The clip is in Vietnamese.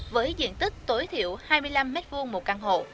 với diện tích tối thiểu hai mươi năm m hai một căn hộ